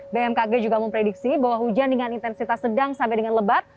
bmkg juga memprediksi bahwa hujan dengan intensitas sedang sampai dengan lebat